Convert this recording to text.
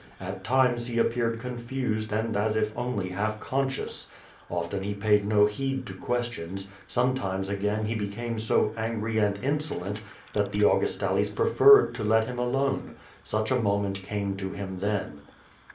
At times he appeared confused and as if only half conscious. Often he paid no heed to questions; sometimes again he became so angry and insolent that the Augustales preferred to let him alone. Such a moment came to him then.